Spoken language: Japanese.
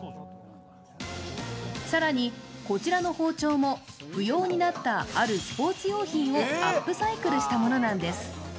更に、こちらの包丁も不要になったあるスポーツ用品をアップサイクルしたものなんです。